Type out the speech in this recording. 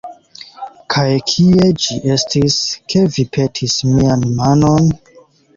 Kaj kie ĝi estis, ke vi petis mian manon?